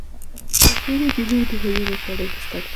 El juego empieza unos años más tarde de esta guerra.